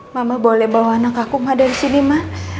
mama boleh bawa anak aku ma dari sini ma